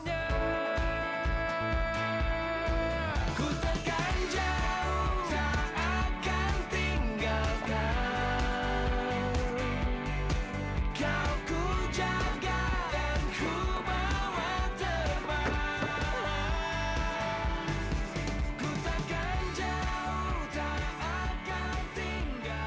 aku tak akan jauh tak akan tinggalkan